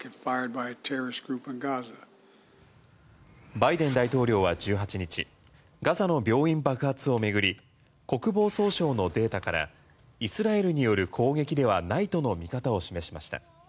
バイデン大統領は１８日ガザの病院爆発を巡り国防総省のデータからイスラエルによる攻撃ではないとの見方を示しました。